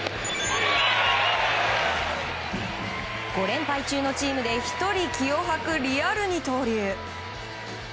５連敗中のチームで１人息を吐くリアル二刀流。